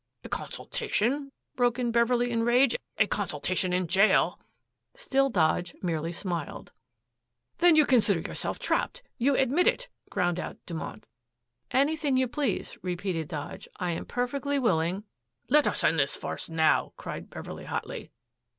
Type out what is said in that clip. "A consultation?" broke in Beverley in rage. "A consultation in jail!" Still Dodge merely smiled. "Then you consider yourself trapped. You admit it," ground out Dumont. "Anything you please," repeated Dodge. "I am perfectly willing " "Let us end this farce now," cried Beverley hotly.